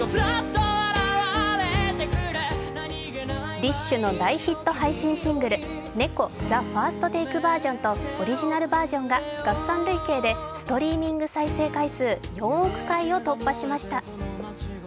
ＤＩＳＨ／／の大ヒット配信シングル、「猫ＴＨＥＦＩＲＳＴＴＡＫＥｖｅｒ．」とオリジナルバージョンが合算累計でストリーミング再生回数４億回を突破しました。